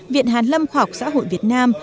viện hàn lâm khoa học xã hội việt nam